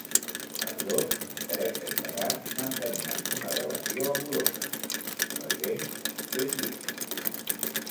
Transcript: Els dos, Teresa i Ferran, mantenien una relació amorosa, no gens ben vista.